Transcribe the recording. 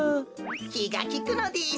きがきくのです。